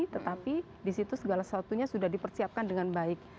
tetapi di situ segala sesuatunya sudah dipersiapkan dengan baik